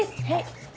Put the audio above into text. はい。